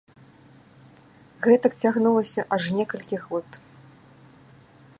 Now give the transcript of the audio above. Гэтак цягнулася аж некалькі год.